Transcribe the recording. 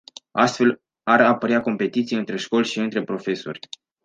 Astfel ar apărea competiții între școli și între profesori.